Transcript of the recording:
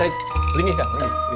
lengih ya lengih